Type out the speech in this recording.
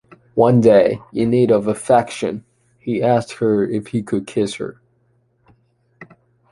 One day, in need of affection, he asked her if he could kiss her.